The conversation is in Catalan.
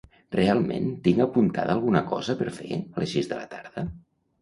Realment tinc apuntada alguna cosa per fer a les sis de la tarda?